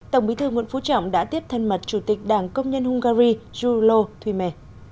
tổng bí thư nguyễn phú trọng đã tiếp thân mật chủ tịch đảng công nhân hungary julo thuy mê